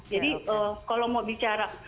jadi kalau mau bicara